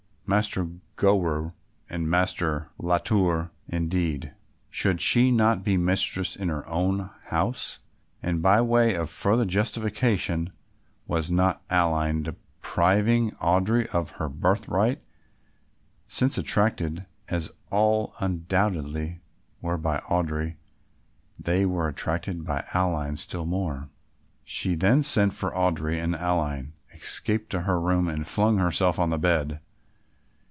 Master Gower and Master Latour indeed! should she not be mistress in her own house? And by way of further justification, was not Aline depriving Audry of her birthright, since, attracted as all undoubtedly were by Audry, they were attracted by Aline still more? She then sent for Audry and Aline escaped to her room and flung herself on her bed.